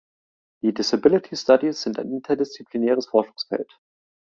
Die Disability Studies sind ein interdisziplinäres Forschungsfeld.